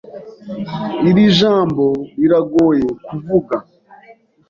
Iri jambo riragoye kuvuga.